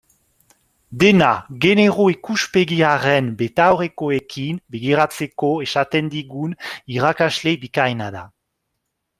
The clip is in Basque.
Dena genero ikuspegiaren betaurrekoekin begiratzeko esaten digun irakasle bikaina da.